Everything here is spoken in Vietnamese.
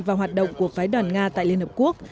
và hoạt động của phái đoàn nga tại liên hợp quốc